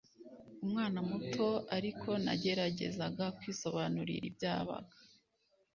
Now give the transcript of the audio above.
umwana muto ariko nageragezaga kwisobanurira ibyabaga.